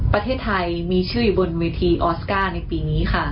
ประเทศไทยมีชื่ออยู่บนเวทีออสการ์ในปีนี้ค่ะ